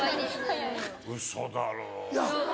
ウソだろ。